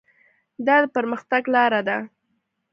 دا د پرمختګ لاره ده.